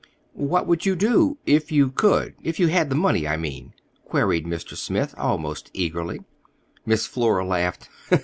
"What would you do—if you could—if you had the money, I mean?" queried Mr. Smith, almost eagerly. Miss Flora laughed.